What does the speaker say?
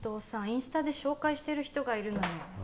インスタで紹介してる人がいるのよ